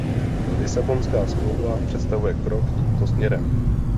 Lisabonská smlouva představuje krok tímto směrem.